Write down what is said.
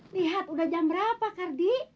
lihat udah jam berapa kardi